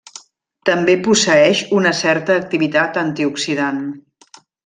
També posseeix una certa activitat antioxidant.